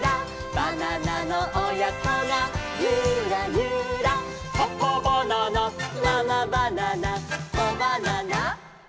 「バナナのおやこがユラユラ」「パパバナナママバナナコバナナ」